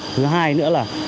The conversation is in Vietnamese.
thứ hai nữa là